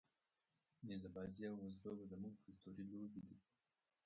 نیزه بازي او وزلوبه زموږ کلتوري لوبې دي.